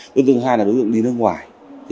đối tượng thứ hai là đối tượng đi nước ngoài